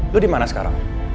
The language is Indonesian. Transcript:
lo dimana sekarang